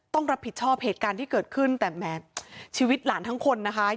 ต้องรับผิดชอบเหตุการณ์ที่เกิดขึ้นแต่แหมชีวิตหลานทั้งคนนะคะ